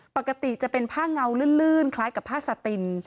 ปกติจะเป็นผ้าเงาลื่นคล้ายกับผ้าสะติน